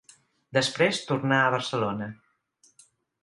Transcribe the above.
Després tornà a Barcelona.